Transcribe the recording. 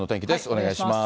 お願いします。